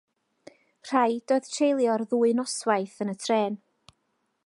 Rhaid oedd treulio'r ddwy noswaith yn y trên.